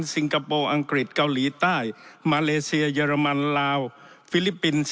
งคโปร์อังกฤษเกาหลีใต้มาเลเซียเยอรมันลาวฟิลิปปินส์